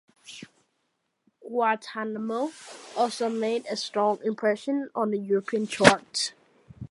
"Guantanamo" also made a strong impression on the European charts.